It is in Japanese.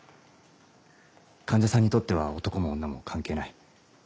患者さんにとっては男も女も関係ない。